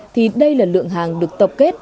thì đây là lượng hàng được tập kết